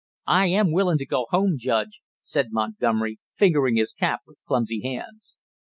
"I am willin' to go home, Judge!" said Montgomery, fingering his cap with clumsy hands.